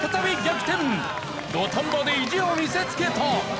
土壇場で意地を見せつけた！